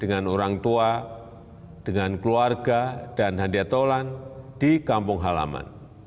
dengan orang tua dengan keluarga dan handiatolan di kampung halaman